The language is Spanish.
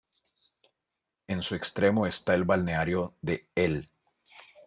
En su extremo está el balneario de Hel.